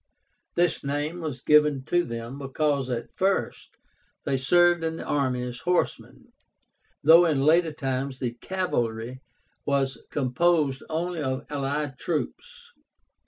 This name was given to them because at first they served in the army as horsemen, though in later times the cavalry was composed only of allied troops.